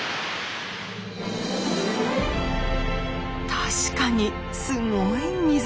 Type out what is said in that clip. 確かにすごい水煙。